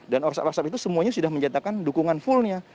dan orsap orsap itu semuanya sudah mencetakkan dukungan fullnya